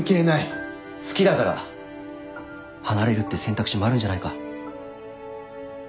好きだから離れるって選択肢もあるんじゃないか？